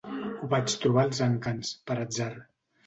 Ho vaig trobar als encants, per atzar.